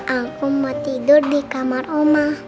aku mau tidur di kamar rumah